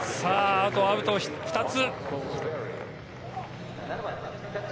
あとアウト２つ。